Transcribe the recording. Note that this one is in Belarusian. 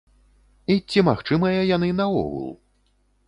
І ці магчымыя яны наогул?